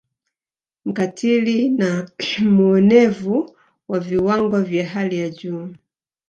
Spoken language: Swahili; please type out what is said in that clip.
Mkatili na muonevu wa viwango vya hali ya juu